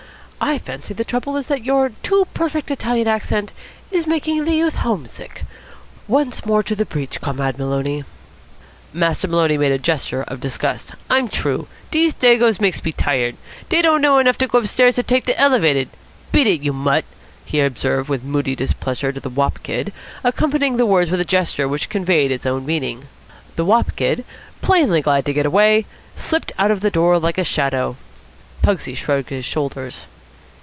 I fancy the trouble is that your too perfect Italian accent is making the youth home sick. Once more to the breach, Comrade Maloney." Master Maloney made a gesture of disgust. "I'm t'roo. Dese Dagoes makes me tired. Dey don't know enough to go upstairs to take de Elevated. Beat it, you mutt," he observed with moody displeasure to the wop kid, accompanying the words with a gesture which conveyed its own meaning. The wop kid, plainly glad to get away, slipped out of the door like a shadow. Pugsy shrugged his shoulders.